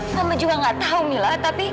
mama juga gak tau mila